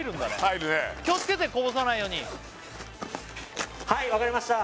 入るね気をつけてこぼさないようにはいわかりました！